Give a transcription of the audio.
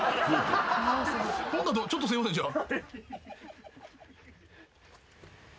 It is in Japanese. ちょっとすいませんじゃあ。